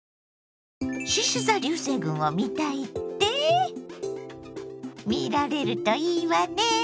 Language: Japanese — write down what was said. しし座流星群を見たいって⁉見られるといいわね。